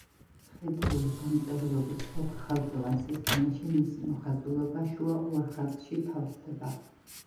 მხედრული დამწერლობის ოთხხაზოვან სისტემაში მისი მოხაზულობა შუა ორ ხაზში თავსდება.